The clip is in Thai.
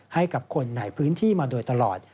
ให้กับคนในพื้นที่มาโดยตลอด